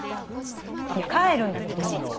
いや帰るんだけどもう！